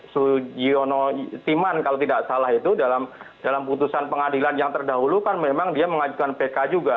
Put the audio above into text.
sugiono timman kalau tidak salah itu dalam putusan pengadilan yang terdahulu kan memang dia mengajukan pk juga